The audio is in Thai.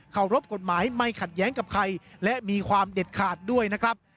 เขารบกฎหมายไม่ขัดแย้งกับใครและมีความเด็ดขาดด้วยนะครับ